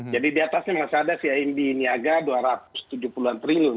jadi diatasnya masih ada cimb niaga rp dua ratus tujuh puluh triliun